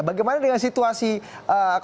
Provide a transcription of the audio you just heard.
bagaimana dengan situasi kondisionalnya